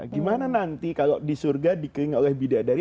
gimana nanti kalau di surga dikering oleh bidadari